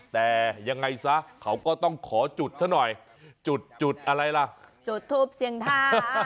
แต่ยังไงซะเขาก็ต้องขอจุดซะหน่อยจุดจุดอะไรล่ะจุดทูปเสียงทา